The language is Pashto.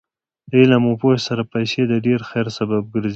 د علم او پوهې سره پیسې د ډېر خیر سبب ګرځي.